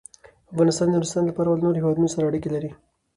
افغانستان د نورستان له پلوه له نورو هېوادونو سره اړیکې لري.